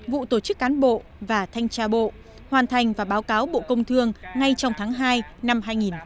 vụ tổ chức cán bộ và thanh tra bộ hoàn thành và báo cáo bộ công thương ngay trong tháng hai năm hai nghìn hai mươi